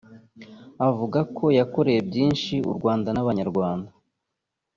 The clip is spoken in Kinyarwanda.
avuga ko yakoreye byinshi u Rwanda n’abanyarwanda